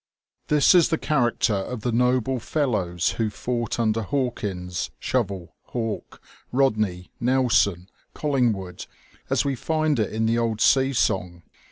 This is the character of the noble fellows who fought under Hawkins, Shovel, Hawke, Eodney, Nelson, Colliugwood, as we find it in the old sea song.